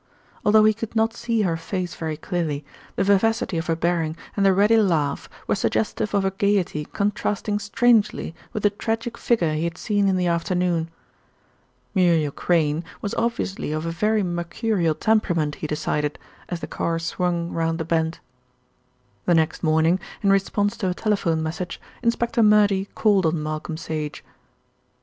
Although he could not see her face very clearly, the vivacity of her bearing and the ready laugh were suggestive of a gaiety contrasting strangely with the tragic figure he had seen in the afternoon. Muriel Crayne was obviously of a very mercurial temperament, he decided, as the car swung round the bend. The next morning, in response to a telephone message, Inspector Murdy called on Malcolm Sage.